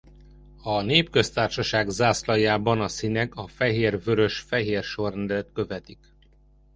A népköztársaság zászlajában a színek a fehér-vörös-fehér sorrendet követik.